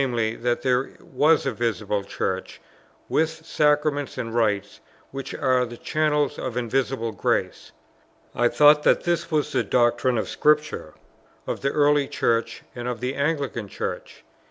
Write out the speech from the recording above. that there was a visible Church, with sacraments and rites which are the channels of invisible grace. I thought that this was the doctrine of Scripture, of the early Church, and of the Anglican Church.